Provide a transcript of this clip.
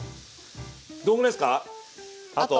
どんぐらいですかあと？